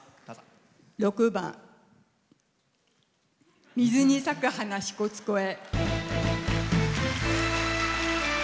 ６番「水に咲く花・支笏湖へ」。